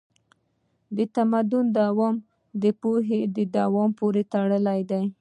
د تمدن دوام د پوهې دوام پورې تړلی دی.